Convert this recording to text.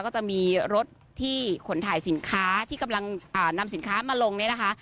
ก็จะมีรถที่ขนถ่ายสินค้าที่กำลังนำสินค้ามาลงเนี่ยนะคะ